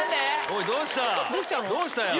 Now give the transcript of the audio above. おいどうしたよ？